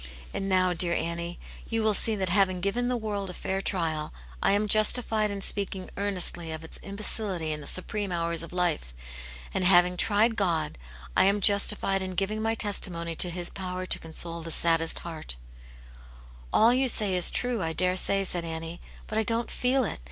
And now, dear Annie, you will see that having given the world a fair trial, I am justified in speaking earnestly of its imbecility in the supreme hours of life ; and having tried God, I am justified in giving my testimony to His power to console the saddest heart/' "All you say is true, I daresay," said Annie. "But I don't feel it.